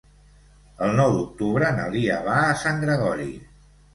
El nou d'octubre na Lia va a Sant Gregori.